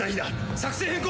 作戦変更！